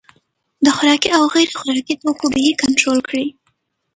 د خوراکي او غیر خوراکي توکو بیې کنټرول کیږي.